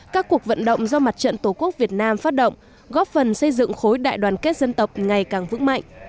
các cuộc vận động do mặt trận tổ quốc việt nam phát động góp phần xây dựng khối đại đoàn kết dân tộc ngày càng vững mạnh